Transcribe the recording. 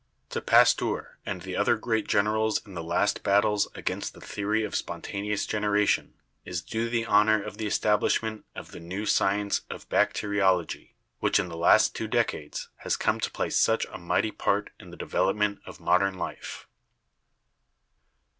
To Pasteur and the other great generals in the last battles against the theory of spontaneous generation is due the honor of the establishment of the new science of bacteriology which in the last two decades has come to play such a mighty part in the development of modern life.